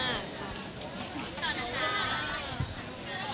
มีปิดฟงปิดไฟแล้วถือเค้กขึ้นมา